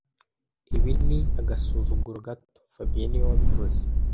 Ibi ni agasuzuguro gato fabien niwe wabivuze